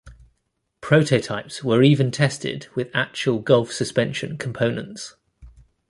Prototypes were even tested with actual Golf suspension components.